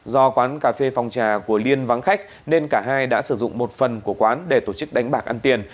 do quán cà phê phòng trà của liên vắng khách nên cả hai đã sử dụng một phần của quán để tổ chức đánh bạc ăn tiền